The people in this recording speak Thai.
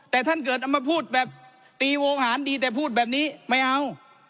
แต่ท่านเกิดเอามาพูดแบบตีโวหารดีแต่พูดแบบนี้ไม่เอา